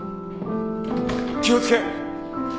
気を付け！